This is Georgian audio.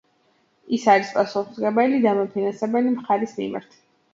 ის არის პასუხისმგებელი დამფინანსებელი მხარის მიმართ.